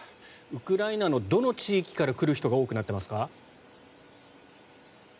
ウクライナのどの地域から来る人が多くなっていますか？